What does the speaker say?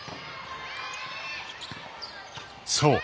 そう！